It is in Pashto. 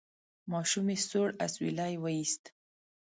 ماشومې سوړ اسویلی وایست: